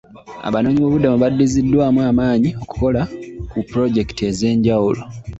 Abanoonyiboobubuddamu badiziddwamu amaanyi okukola ku pulojekiti ez'enjawulo.